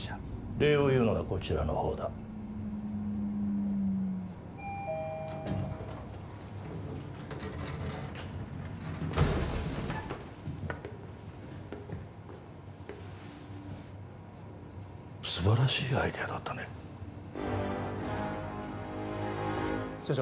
礼を言うのはこちらの方だ素晴らしいアイデアだったね社長